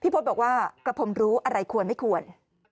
พจน์บอกว่ากระผมรู้อะไรควรไม่ควร